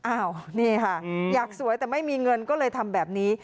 อ้าวนี่ค่ะอยากสวยแต่ไม่มีเงินก็เลยทำแบบนี้